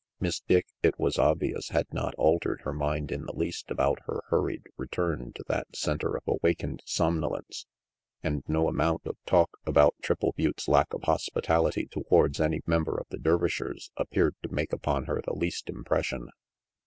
Miss Dick, it was obvious, had not altered her mind in the least about her hurried return to that center of awakened somnolence, and no amount of 132 RANGY PETE 133 talk about Triple Butte's lack of hospitality towards any member of the Dervishers appeared to make upon her the least impression.